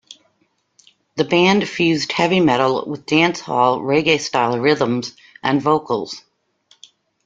The band fused heavy metal with dancehall reggae-style rhythms and vocals.